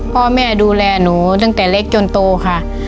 พ่อแม่ดูแลหนูตั้งแต่เล็กจนโตค่ะ